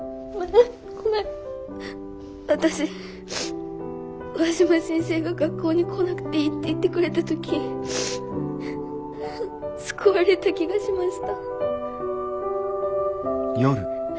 私上嶋先生が学校に来なくていいって言ってくれた時救われた気がしました。